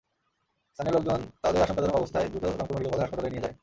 স্থানীয় লোকজন তাঁদের আশঙ্কাজনক অবস্থায় দ্রুত রংপুর মেডিকেল কলেজ হাসপাতালে নিয়ে যায়।